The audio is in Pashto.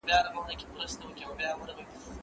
استاد د شاګردانو ستونزي په اسانۍ سره درک کوي.